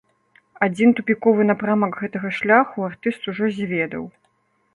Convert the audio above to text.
Адзін тупіковы напрамак гэтага шляху артыст ужо зведаў.